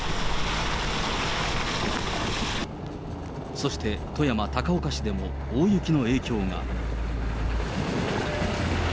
そして、富山・高岡市でも大雪の影響が。